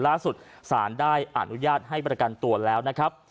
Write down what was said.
ล่าสุดสารได้อนุญาตให้ประกันตัวแล้วนะครับ